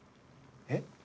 えっ？